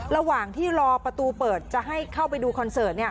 ระหว่างที่รอประตูเปิดจะให้เข้าไปดูคอนเสิร์ต